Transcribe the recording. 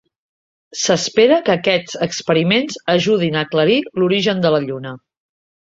S'espera que aquests experiments ajudin a aclarir l'origen de la Lluna.